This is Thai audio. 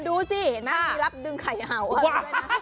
ดูสิเห็นไหมมีรับดึงไข่เห่าอะไรด้วยนะ